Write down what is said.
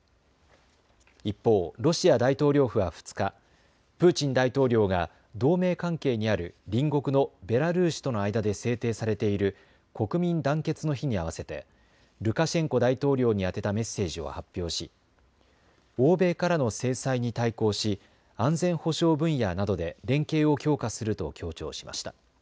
一方、ロシア大統領府は２日、プーチン大統領が同盟関係にある隣国のベラルーシとの間で制定されている国民団結の日に合わせてルカシェンコ大統領に宛てたメッセージを発表し欧米からの制裁に対抗し安全保障分野などで連携を強化すると強調しました。